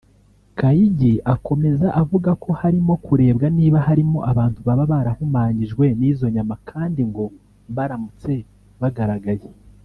Kayigi akomeza avuga ko harimo kurebwa niba harimo abantu baba barahumanyijwe n’izo nyama kandi ngo baramutse bagaragaye